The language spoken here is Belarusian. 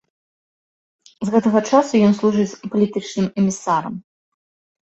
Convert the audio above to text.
З гэтага часу ён служыць палітычным эмісарам.